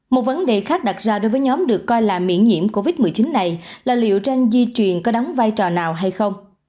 một vấn đề khác đặt ra đối với nhóm được coi là miễn nhiễm covid một mươi chín này là liệu tranh di truyền có đóng vai trò nào hay không